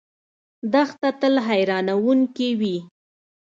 دښته تل حیرانونکې وي.